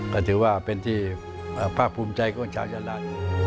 ก็ถือว่ามันเป็นที่พรรณภูมิใจตรงชาวยาลา